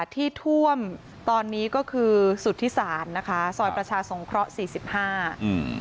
ที่ท่วมตอนนี้ก็คือสุธิศาลนะคะซอยประชาสงเคราะห์สี่สิบห้าอืม